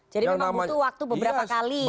jadi memang butuh waktu beberapa kali